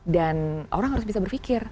dan orang harus bisa berpikir